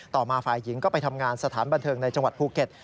ต่อมาฝ่ายหญิงก็ไปทำงานสถานบันเทิงในจังหวัดภูเก็ต